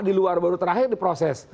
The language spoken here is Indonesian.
di luar baru terakhir diproses